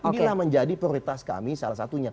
inilah menjadi prioritas kami salah satunya